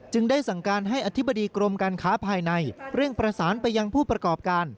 ได้สั่งการให้อธิบดีกรมการค้าภายในเร่งประสานไปยังผู้ประกอบการ